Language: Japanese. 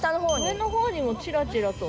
上の方にもチラチラと。